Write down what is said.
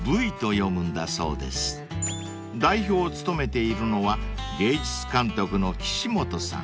［代表を務めているのは芸術監督の岸本さん］